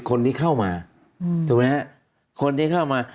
คนที่เข้ามา